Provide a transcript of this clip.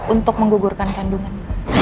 untuk menggugurkan kandungan